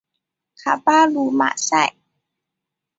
卡巴卢马塞。